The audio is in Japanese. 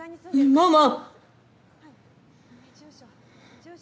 ママ！